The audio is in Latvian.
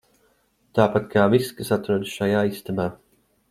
Tāpat kā viss, kas atrodas šajā istabā.